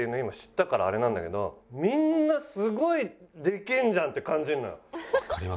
今知ったからあれなんだけどみんなすごいできるじゃんって感じるのよ。